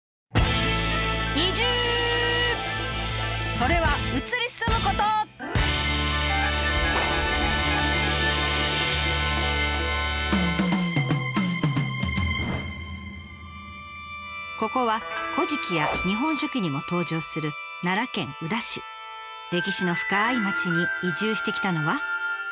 それはここは「古事記」や「日本書紀」にも登場する歴史の深い町に移住してきたのは。